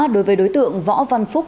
đối với đối tượng võ văn phúc